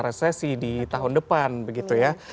karena resesi di tahun depan begitu ya